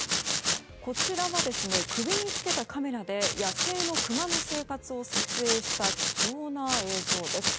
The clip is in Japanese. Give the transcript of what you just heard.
こちらは首につけたカメラで野生のクマの生活を撮影した貴重な映像です。